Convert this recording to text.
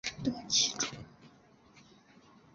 得其中